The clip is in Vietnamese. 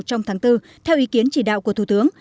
trong tháng bốn theo ý kiến chỉ đạo của thủ tướng